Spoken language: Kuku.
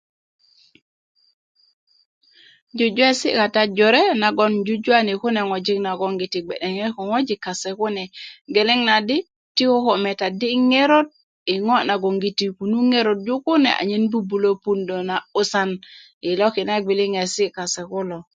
jujuwesi' kata jore nagoŋ jujuwani kune ŋojik nagoŋ giti gbe'deŋe ko ŋojik kune kase kune geleŋ na di ti koko metadddi ŋerot yi ŋo' nagoŋgiti kunu kase ŋerot kunu anyen bubulö puundö 'busan yi loki na gbiliŋesi kase kulo